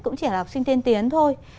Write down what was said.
cũng chỉ là học sinh tiên tiến thôi